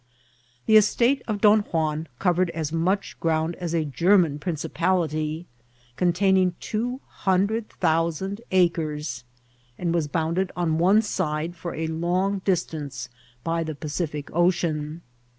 The estate of Don Juan covered as much ground as k CATTLE FARM. 385 a Gennan principality^ containing two hundred thou* sand acres, and was bonnded on one side, for a long distance, by the Pacific Ocean.